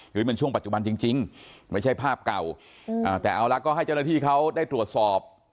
คือมันช่วงปัจจุบันจริงไม่ใช่ภาพเก่าแต่เอาละก็ให้เจ้าหน้าที่เขาได้ตรวจสอบ